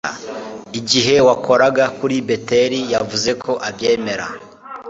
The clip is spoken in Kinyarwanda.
icyo gihe wakoraga kuri beteli yavuze ko abyemera